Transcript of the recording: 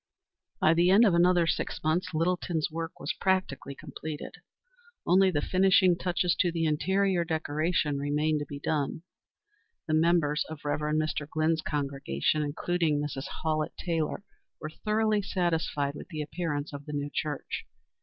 By the end of another six months Littleton's work was practically completed. Only the finishing touches to the interior decoration remained to be done. The members of Rev. Mr. Glynn's congregation, including Mrs. Hallett Taylor, were thoroughly satisfied with the appearance of the new church.